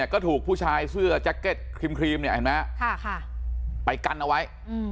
ก็ถูกผู้ชายเสื้อแจ๊กเก็ตครีมไปกันเอาไว้